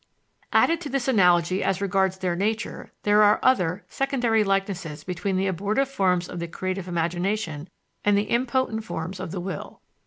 Added to this analogy as regards their nature, there are other, secondary likenesses between the abortive forms of the creative imagination and the impotent forms of the will.